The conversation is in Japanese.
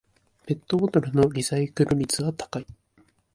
ペットボトルのリサイクル率は高い